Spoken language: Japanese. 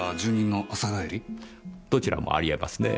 どちらもありえますねぇ。